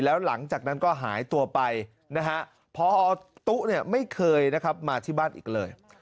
แล้วหลังจากนั้นก็หายตัวไปนะฮะพอตุ๊ไม่เคยนะครับมาที่บ้านอีกเลย